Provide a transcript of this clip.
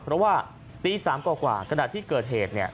เพราะว่าตี๓กว่ากระดาษที่เกิดเหตุเนี่ย